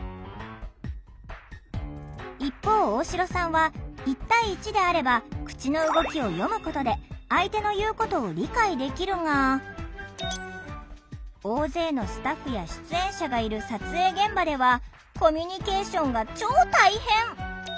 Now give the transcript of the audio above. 一方大城さんは１対１であれば口の動きを読むことで相手の言うことを理解できるが大勢のスタッフや出演者がいる撮影現場ではコミュニケーションが超大変！